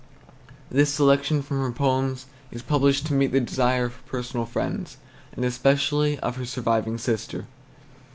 This selection from her poems is published to meet the desire of her personal friends, and especially of her surviving sister.